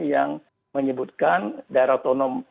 yang menyebutkan daerah otonom